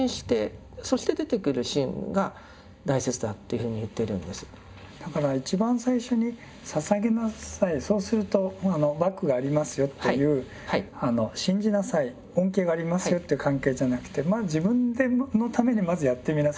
それに対してだから一番最初に捧げなさいそうするとバックがありますよという信じなさい恩恵がありますよという関係じゃなくて自分のためにまずやってみなさい。